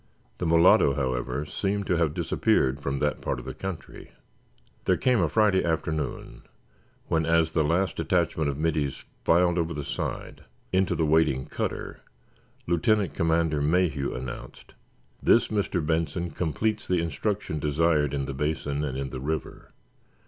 The mulatto, however, seemed to have disappeared from that part of the country. There came a Friday afternoon when, as the last detachment of middies filed over the side into the waiting cutter, Lieutenant Commander Mayhew announced: "This, Mr. Benson, completes the instruction desired in the Basin and in the river.